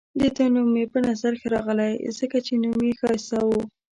د ده نوم مې په نظر ښه راغلی، ځکه چې نوم يې ښایسته وو.